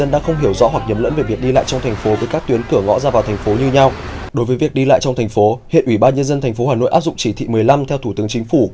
đối với việc đi lại trong thành phố hiện ủy ban nhân dân tp hà nội áp dụng chỉ thị một mươi năm theo thủ tướng chính phủ